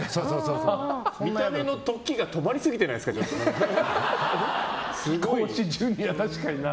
見た目の時が止まりすぎてないですか、逆に。